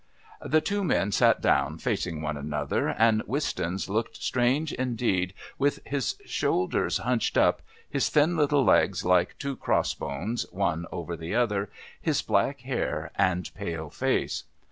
The two men sat down facing one another, and Wistons looked strange indeed with his shoulders hunched up, his thin little legs like two cross bones, one over the other, his black hair and pale face.